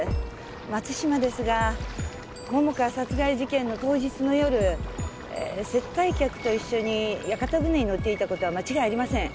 松島ですが桃花殺害事件の当日の夜接待客と一緒に屋形船に乗っていた事は間違いありません。